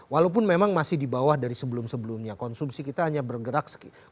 walaupun memang masih di bawah dari sebelum sebelumnya konsumsi kita hanya bergerak